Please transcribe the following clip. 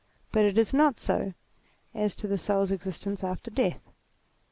But it is not so as to the soul's existence after death.